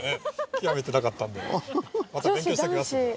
究めてなかったんでまた勉強してきますんで。